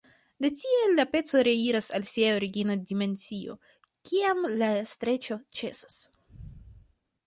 De tie la peco reiras al sia origina dimensio, kiam la streĉo ĉesas.